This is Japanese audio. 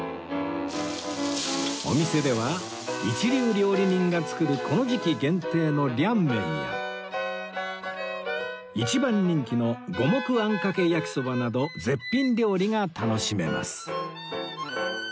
お店では一流料理人が作るこの時期限定の涼麺や一番人気の五目あんかけ焼きそばなど絶品料理が楽しめます